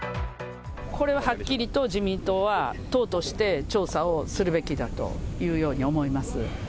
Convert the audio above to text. これははっきりと自民党は党として調査をするべきだというように思います。